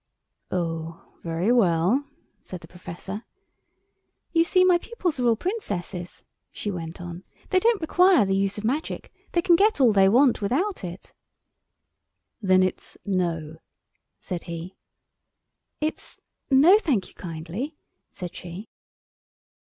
"Oh, very well!" said the Professor. "You see my pupils are all princesses," she went on, "they don't require the use of magic, they can get all they want without it." "Then it's 'No'?" said he. "It's 'No thank you kindly,'" said she.